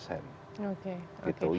yang buruk itu